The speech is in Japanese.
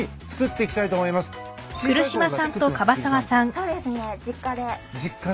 そうですね。実家で。